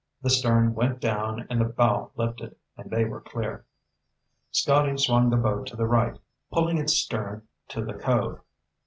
The stern went down and the bow lifted, and they were clear. Scotty swung the boat to the right, putting its stern to the cove.